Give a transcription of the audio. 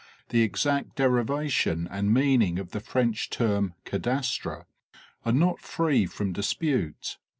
The exact derivation and meaning of the French term "cadastre" are not free from dispute.